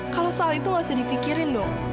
kalau soal itu gak usah di fikirin dong